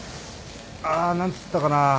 あ何つったかな。